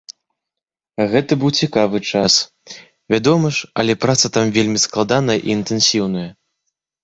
Гэта быў цікавы час, вядома ж, але праца там вельмі складаная і інтэнсіўная.